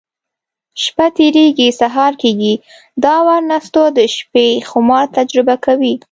شپه تېرېږي، سهار کېږي. دا وار نستوه د شیشې خمار تجربه کوي: